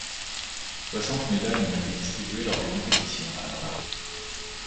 Soixante médailles ont été distribuées lors des compétitions.